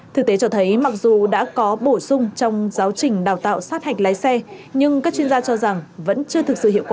thực tế cho thấy mặc dù đã có bổ sung trong giáo trình đào tạo sát hạch lái xe nhưng các chuyên gia cho rằng vẫn chưa thực sự hiệu quả